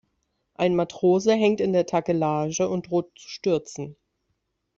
Ein Matrose hängt in der Takelage und droht zu stürzen.